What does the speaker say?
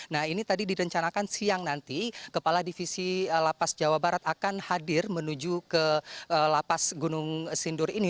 nah ini tadi direncanakan siang nanti kepala divisi lapas jawa barat akan hadir menuju ke lapas gunung sindur ini